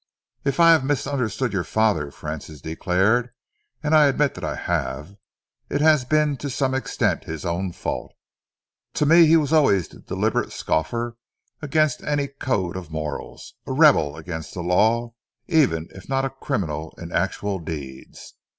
"If I have misunderstood your father," Francis, declared, "and I admit that I have, it has been to some extent his own fault. To me he was always the deliberate scoffer against any code of morals, a rebel against the law even if not a criminal in actual deeds.